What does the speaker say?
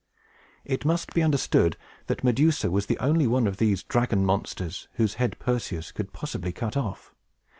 It must be understood that Medusa was the only one of these dragon monsters whose head Perseus could possibly cut off.